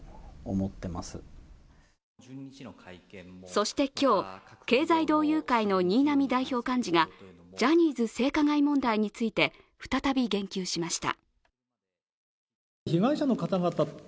そして今日、経済同友会の新浪代表幹事がジャニーズ性加害問題について再び言及しました。